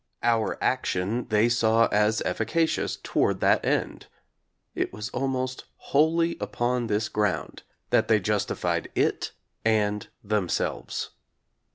Our action they saw as efficacious toward that end. It was almost wholly upon this ground that they justified it and them selves.